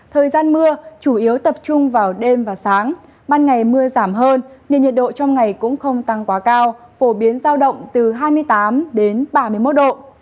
thời gian mưa chủ yếu tập trung vào đêm và sáng ban ngày mưa giảm hơn nên nhiệt độ trong ngày cũng không tăng quá cao phổ biến giao động từ hai mươi tám đến ba mươi một độ